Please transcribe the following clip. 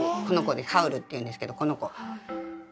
この子ねハウルっていうんですけどこの子。